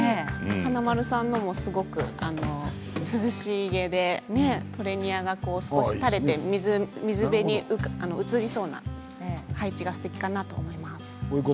華丸さんのもすごく涼しげでトレニアが少し垂れて水辺に映りそうな配置がすてきだなと思います。